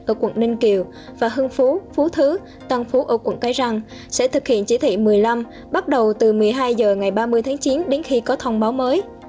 ở quận ninh kiều và hưng phú phú thứ tân phú ở quận cái răng sẽ thực hiện chỉ thị một mươi năm bắt đầu từ một mươi hai h ngày ba mươi tháng chín đến khi có thông báo mới